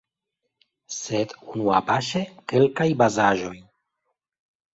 Sed unuapaŝe kelkaj bazaĵoj.